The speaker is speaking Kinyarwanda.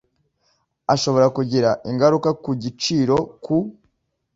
ashobora kugira ingaruka ku giciro ku